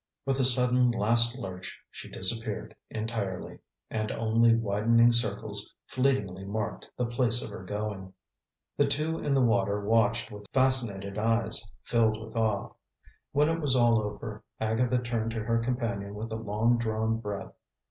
With a sudden last lurch she disappeared entirely, and only widening circles fleetingly marked the place of her going. The two in the water watched with fascinated eyes, filled with awe. When it was all over Agatha turned to her companion with a long drawn breath.